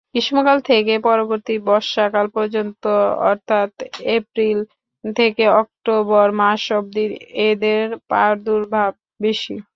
গ্রীষ্মকাল থেকে পরবর্তী বর্ষাকাল পর্যন্ত অর্থাৎ এপ্রিল থেকে অক্টোবর মাস অবধি এদের প্রাদুর্ভাব বেশি।